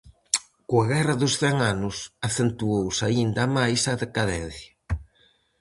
Coa Guerra dos Cen Anos acentuouse aínda máis a decadencia.